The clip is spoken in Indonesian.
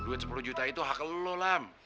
duit sepuluh juta itu hak lo lam